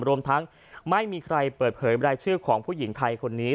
รวมทั้งไม่มีใครเปิดเผยรายชื่อของผู้หญิงไทยคนนี้